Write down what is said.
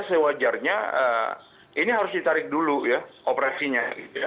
sewajarnya ini harus ditarik dulu ya operasinya